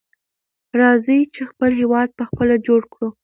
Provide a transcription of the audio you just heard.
راځئ چې خپل هېواد په خپله جوړ کړو.